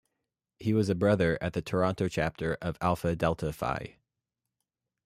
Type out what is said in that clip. He was a Brother at the Toronto Chapter of the Alpha Delta Phi.